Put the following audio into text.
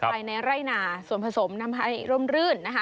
ภายในไร่นาส่วนผสมทำให้ร่มรื่นนะคะ